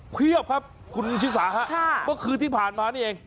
เพราะคือที่ผ่านมานี่เอง